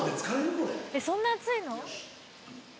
そんな熱いの？